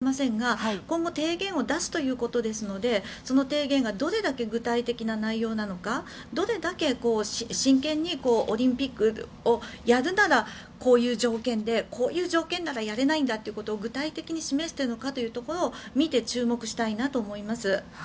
そこは計り知れませんが今後提言を出すということですのでその提言がどれだけ具体的な内容なのかどれだけ真剣にオリンピックをやるならこういう条件でこういう条件ならやれないんだということを具体的に示すのかというところを見て注目したいなと思います。